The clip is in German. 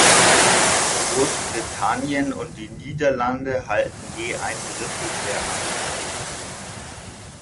Großbritannien und die Niederlande halten je ein Drittel der Anteile.